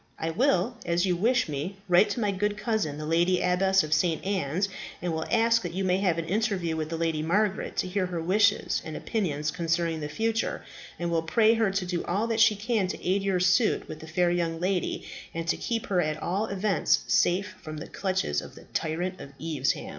I will, as you wish me, write to my good cousin, the Lady Abbess of St. Anne's, and will ask that you may have an interview with the Lady Margaret, to hear her wishes and opinions concerning the future, and will pray her to do all that she can to aid your suit with the fair young lady, and to keep her at all events safe from the clutches of the tyrant of Evesham."